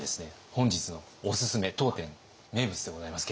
本日のおすすめ当店名物でございますけれども。